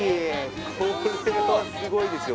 これはすごいですよ